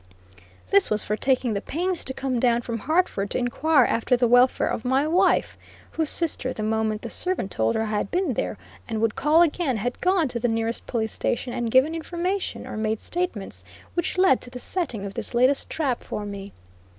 This was for taking the pains to come down from Hartford to inquire after the welfare of my wife! whose sister, the moment the servant told her I had been there, and would call again, had gone to the nearest police station and given information, or made statements, which led to the setting of this latest trap for me.